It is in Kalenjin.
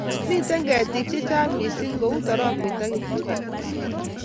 Kimitei hetik cche chang mising kou tarokwet ak kipligumiat